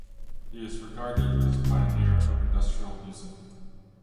He is regarded as a pioneer of industrial music.